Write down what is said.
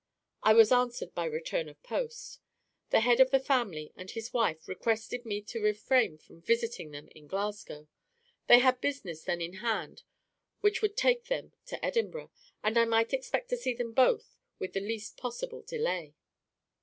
"I was answered by return of post. The head of the family and his wife requested me to refrain from visiting them in Glasgow. They had business then in hand which would take them to Edinburgh, and I might expect to see them both with the least possible delay.